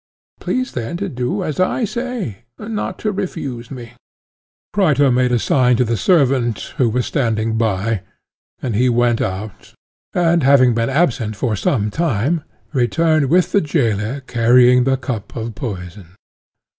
Please then to do as I say, and not to refuse me. Crito made a sign to the servant, who was standing by; and he went out, and having been absent for some time, returned with the jailer carrying the cup of poison.